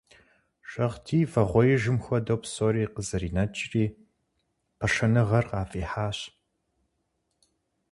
Шагъдий вагъуэижым хуэдэу псори къызэринэкӀри, пашэныгъэр къафӀихьащ.